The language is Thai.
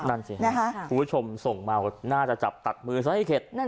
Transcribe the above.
นั่นสิคุณผู้ชมส่งมาว่าน่าจะจับตัดมือซะให้เข็ด